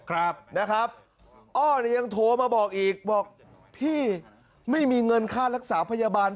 ครับนะครับอ้อเนี่ยยังโทรมาบอกอีกบอกพี่ไม่มีเงินค่ารักษาพยาบาล